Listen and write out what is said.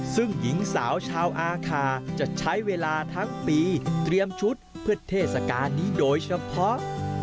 ซึ่งหญิงสาวชาวอาคาจะใช้เวลาทั้งปีเตรียมชุดเพื่อเทศกาลนี้โดยเฉพาะ